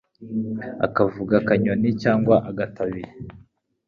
akavuga akanyoni cyangwa agatabi,